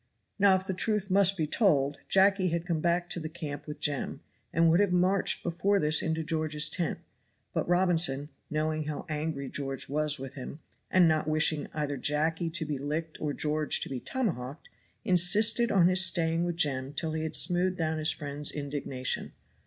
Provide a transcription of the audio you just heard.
Now if the truth must be told, Jacky had come back to the camp with Jem, and would have marched before this into George's tent. But Robinson, knowing how angry George was with him, and not wishing either Jacky to be licked or George to be tomahawked, insisted on his staying with Jem till he had smoothed down his friend's indignation.